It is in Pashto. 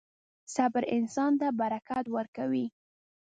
• صبر انسان ته برکت ورکوي.